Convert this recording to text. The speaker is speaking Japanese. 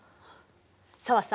紗和さん